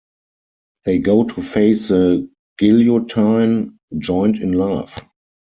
They go to face the guillotine joined in love.